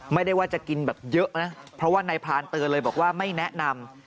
ไม่ได้ว่าจะกินแบบเยอะนะเพราะว่านายพรานเตือนเลยบอกว่าไม่แนะนำ